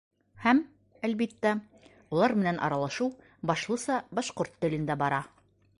Һәм, әлбиттә, улар менән аралашыу башлыса башҡорт телендә бара.